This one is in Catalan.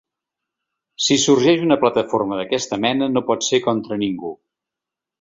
Si sorgeix una plataforma d’aquesta mena no pot ser contra ningú.